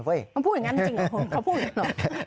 มันพูดอย่างนั้นจริงเหรอคุณเขาพูดอย่างนี้หรอ